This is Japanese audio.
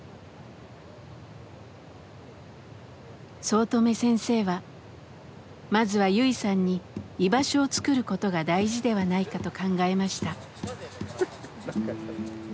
早乙女先生はまずはユイさんに居場所を作ることが大事ではないかと考えました。